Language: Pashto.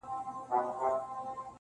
لکه برېښنا هسي د ژوند پر مزار وځلېده-